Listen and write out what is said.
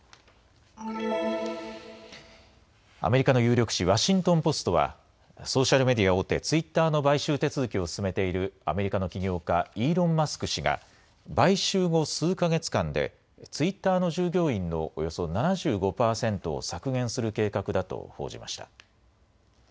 アメリカの有力紙、ワシントン・ポストはソーシャルメディア大手、ツイッターの買収手続きを進めているアメリカの起業家、イーロン・マスク氏が買収後数か月間でツイッターの従業員のおよそ７５％を削減する計画だと報じました。